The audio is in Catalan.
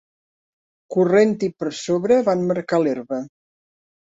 Corrent-hi per sobre, van macar l'herba.